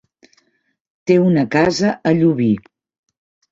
Té una casa a Llubí.